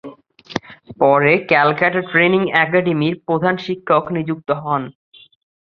পরে ক্যালকাটা ট্রেনিং একাডেমীর প্রধান শিক্ষক নিযুক্ত হন।